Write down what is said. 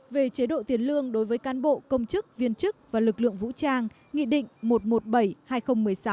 về chế độ tiền lương đối với cán bộ công chức viên chức và lực lượng vũ trang nghị định một trăm một mươi bảy hai nghìn một mươi sáu ng một mươi sáu